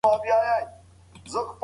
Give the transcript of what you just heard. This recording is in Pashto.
فېلېپ به بل ځای ته ولاړ شي.